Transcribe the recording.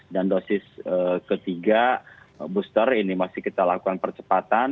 dan dosis ketiga booster ini masih kita lakukan percepatan